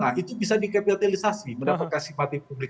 nah itu bisa dikapitalisasi mendapatkan simpati publik